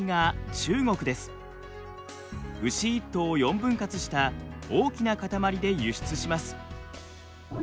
牛１頭を４分割した大きな塊で輸出します。